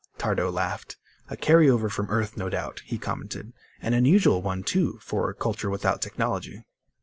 Tardo laughed. "A carry over from Earth, no doubt," he commented. "An unusual one, too, for a culture without technology."